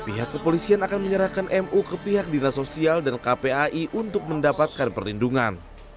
pihak kepolisian akan menyerahkan mu ke pihak dinas sosial dan kpai untuk mendapatkan perlindungan